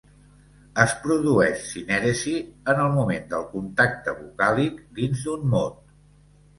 Es produeix sinèresi en el moment del contacte vocàlic dins d'un mot.